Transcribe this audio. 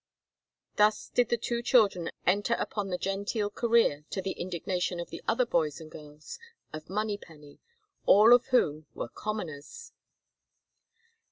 Thus did the two children enter upon the genteel career, to the indignation of the other boys and girls of Monypenny, all of whom were commoners.